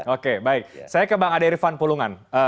oke baik saya ke bang ade irfan pulungan